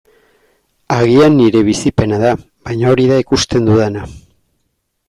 Agian nire bizipena da, baina hori da ikusten dudana.